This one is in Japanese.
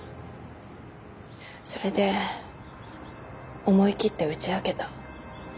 それで思い切って打ち明けた。